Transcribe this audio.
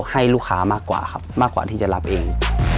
ให้ลูกค้ามากกว่าครับมากกว่าที่จะรับเอง